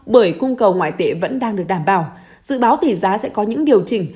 bởi cung cầu ngoại tệ vẫn đang được đảm bảo dự báo tỷ giá sẽ có những điều chỉnh